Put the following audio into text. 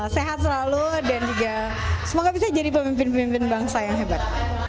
sehat selalu dan juga semoga bisa jadi pemimpin pemimpin bangsa yang hebat